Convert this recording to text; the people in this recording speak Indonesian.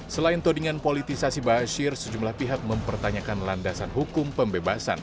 selain todingan politisasi bashir sejumlah pihak mempertanyakan landasan hukum pembebasan